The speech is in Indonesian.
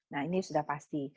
nah ini sudah pasti